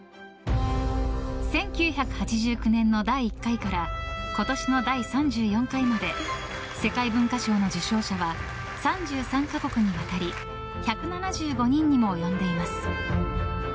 １９８９年の第１回から今年の第３４回まで世界文化賞の受賞者は３３か国にわたり１７５人にも及んでいます。